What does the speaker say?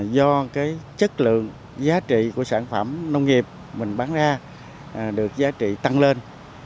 do cái chất lượng giá trị của sản phẩm nông nghiệp mình bán ra được giá trị tăng lên